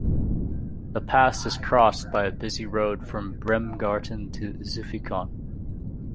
The pass is crossed by a busy road from Bremgarten to Zufikon.